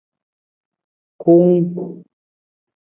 Kuung.